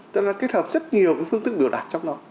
tức là kết hợp rất nhiều cái phương thức biểu đạt trong đó